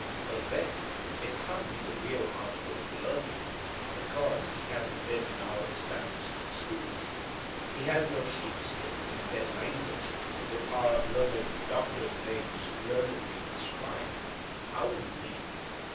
But then it can't be the real article of learning, because He hasn't been in our established schools. He has no sheepskin in a dead language with our learned doctors' names learnedly inscribed. How indeed!